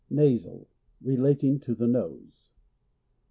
Nasal. — Relating to the nose.